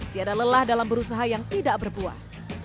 tiada lelah dalam berusaha yang tidak berbuah